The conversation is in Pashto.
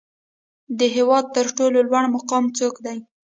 د هیواد تر ټولو لوړ مقام څوک دی؟